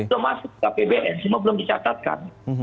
sudah masuk ke pbn cuma belum dicatatkan